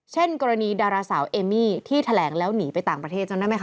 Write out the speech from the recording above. กรณีดาราสาวเอมี่ที่แถลงแล้วหนีไปต่างประเทศจำได้ไหมค